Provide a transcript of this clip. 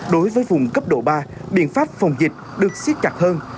đối với vùng cấp độ ba biện pháp phòng dịch được xiết chặt hơn